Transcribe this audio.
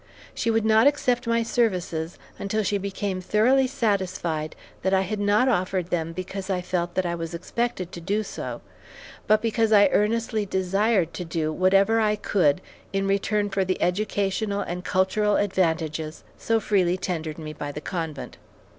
She would not accept my services until she became thoroughly satisfied that I had not offered them because I felt that I was expected to do so, but because I earnestly desired to do whatever I could in return for the educational and cultural advantages so freely tendered me by the convent.